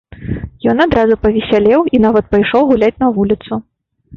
Ён адразу павесялеў і нават пайшоў гуляць на вуліцу.